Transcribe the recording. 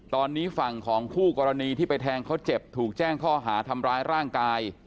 ตอนนี้ฝั่งของคู่กรณีที่ไปแทงเขาเจ็บถูกแจ้งข้อหาทำร้ายร่างกาย